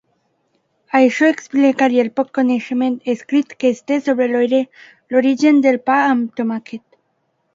Això explicaria el poc coneixement escrit que es té sobre l'origen del pa amb tomàquet.